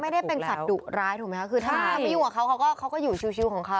ไม่ได้เป็นสัตว์ดุร้ายถูกไหมคะคือถ้าไม่อยู่กับเขาเขาก็อยู่ชิวของเขา